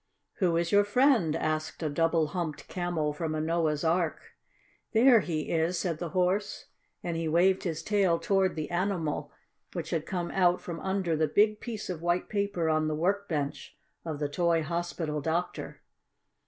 "Who is your friend?" asked a Double Humped Camel from a Noah's Ark. "There he is," said the Horse, and he waved his tail toward the animal which had come out from under the big piece of white paper on the work bench of the toy hospital doctor.